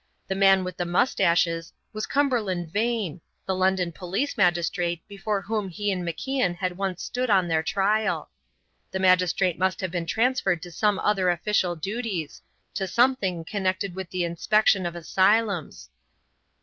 The man with the moustaches was Cumberland Vane, the London police magistrate before whom he and MacIan had once stood on their trial. The magistrate must have been transferred to some other official duties to something connected with the inspection of asylums.